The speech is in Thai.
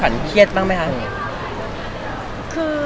เครียดบ้างไหมคะ